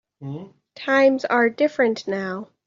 Times are different now.